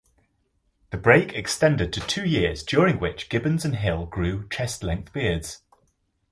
The break extended to two years, during which Gibbons and Hill grew chest-length beards.